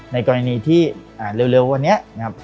ในกรณีที่เร็ววันนี้